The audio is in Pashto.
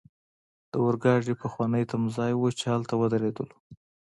د اورګاډي پخوانی تمځای وو، چې هلته ودریدلو.